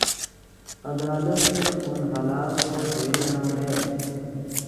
عدالت نے اُن حالات کو دیکھنا ہے